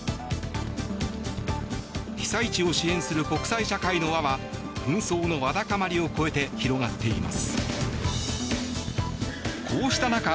被災地を支援する国際社会の輪は紛争のわだかまりを超えて広がっています。